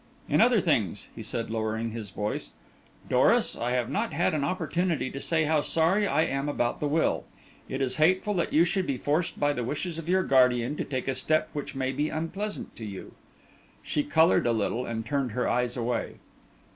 "In other things," he said, lowering his voice. "Doris, I have not had an opportunity of saying how sorry I am about the will; it is hateful that you should be forced by the wishes of your guardian to take a step which may be unpleasant to you." She coloured a little and turned her eyes away.